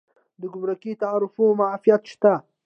د ګمرکي تعرفو معافیت شته؟